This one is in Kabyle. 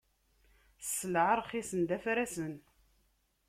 Sselɛa ṛxisen d afrasen.